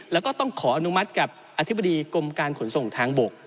แล้วก็ต้องขออนุมัติกับอธิบดีกรมการขนส่งทางบก